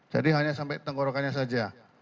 hanya sampai tenggorokannya saja